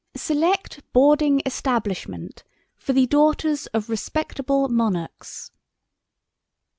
"SELECT BOARDING ESTABLISHMENT FOR THE DAUGHTERS OF RESPECTABLE MONARCHS."